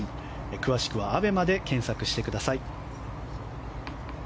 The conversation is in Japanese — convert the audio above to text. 詳しくはＡＢＥＭＡで検索してください。